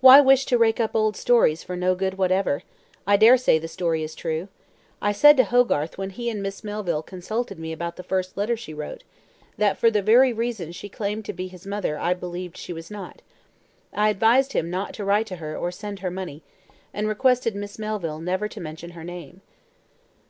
Why wish to rake up old stories for no good end whatever? I dare say the story is true. I said to Hogarth when he and Miss Melville consulted me about the first letter she wrote, that for the very reason she claimed to be his mother I believed she was not. I advised him not to write to her or send her money, and requested Miss Melville never to mention her name."